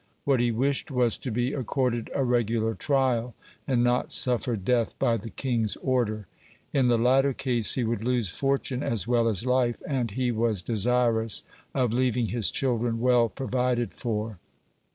What he wished was to be accorded a regular trial, and not suffer death by the king's order. In the latter case he would lose fortune as well as life, and he was desirous of leaving his children well provided for.